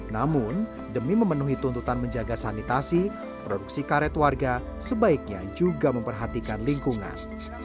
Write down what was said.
namun demi memenuhi tuntutan menjaga sanitasi produksi karet warga sebaiknya juga memperhatikan lingkungan